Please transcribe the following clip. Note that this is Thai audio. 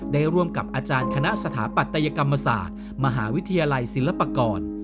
ร่วมกับอาจารย์คณะสถาปัตยกรรมศาสตร์มหาวิทยาลัยศิลปากร